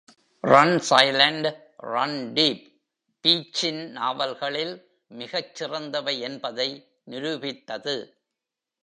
"Run silent, run deep" பீச்சின் நாவல்களில் மிகச் சிறந்தவை என்பதை நிரூபித்தது.